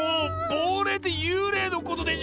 ぼうれいってゆうれいのことでしょ